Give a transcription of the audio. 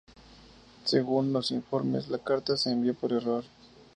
Según los informes, la carta se envió por error.